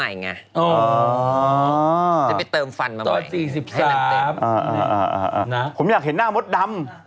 มาใหม่ไงอ๋อจะไปเติมฟันมาใหม่ตอน๔๓ผมอยากเห็นหน้ามดดำ